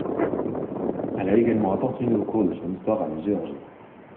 Elle a également appartenu au cours de son histoire à la Géorgie.